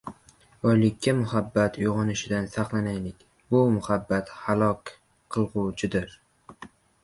boylikka muhabbat uyg‘onishidan saqlanaylik, bu muhabbat halok qilg‘uvchidir.